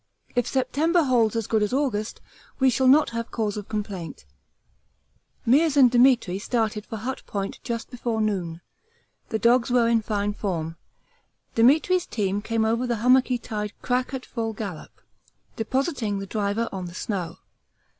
If September holds as good as August we shall not have cause of complaint. Meares and Demetri started for Hut Point just before noon. The dogs were in fine form. Demetri's team came over the hummocky tide crack at full gallop, depositing the driver on the snow.